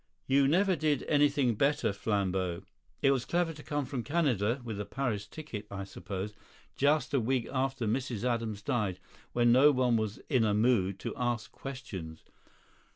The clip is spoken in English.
"You never did anything better, Flambeau. It was clever to come from Canada (with a Paris ticket, I suppose) just a week after Mrs. Adams died, when no one was in a mood to ask questions.